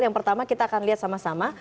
yang pertama kita akan lihat sama sama